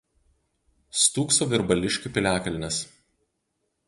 Stūkso Virbališkių piliakalnis.